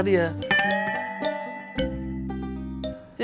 tidak marah dia